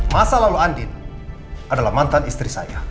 masa lalu andin adalah mantan istri saya